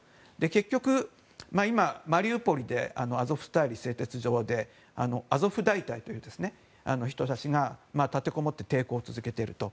結局、マリウポリでアゾフスタリ製鉄所でアゾフ大隊という人たちが立てこもり抵抗を続けていると。